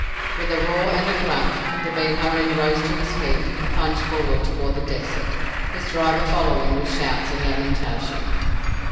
With a roar and a grunt the Biharin rose to his feet and plunged forward toward the desert, his driver following with shouts and lamentation.